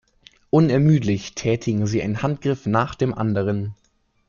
Unermüdlich tätigen sie einen Handgriff nach dem anderen.